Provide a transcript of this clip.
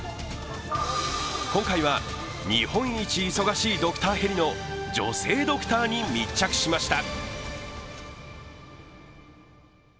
今回は日本一忙しいドクターヘリの女性ドクターに密着しました。